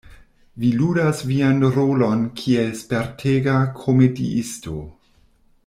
Vi ludas vian rolon kiel spertega komediisto.